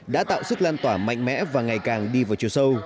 đã tạo sức lan tỏa mạnh mẽ và ngày càng đi vào chiều sâu